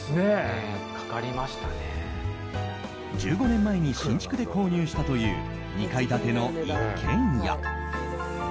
１５年前に新築で購入したという２階建ての一軒家。